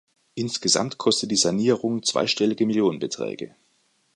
Insgesamt kostet die Sanierung zweistellige Millionenbeträge.